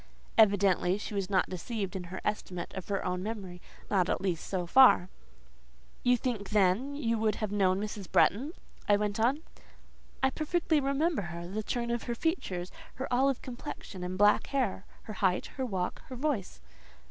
Evidently she was not deceived in her estimate of her own memory; not, at least, so far. "You think, then, you would have known Mrs. Bretton?" I went on. "I perfectly remembered her; the turn of her features, her olive complexion, and black hair, her height, her walk, her voice."